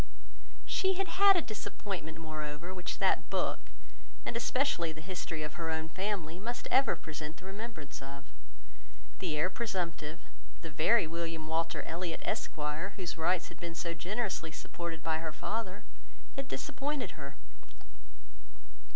She had had a disappointment, moreover, which that book, and especially the history of her own family, must ever present the remembrance of. The heir presumptive, the very William Walter Elliot, Esq., whose rights had been so generously supported by her father, had disappointed her.